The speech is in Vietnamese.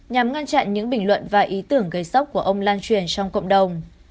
nhằm ngăn chặn những bình luận và ý tưởng gây sốc của ông lan truyền trong cộng đồng